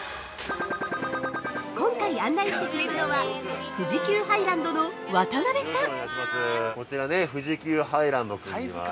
今回案内してくれるのは富士急ハイランドの渡辺さん。